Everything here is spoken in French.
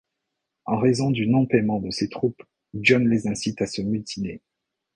En raison du non-paiement de ses troupes, John les incite à se mutiner.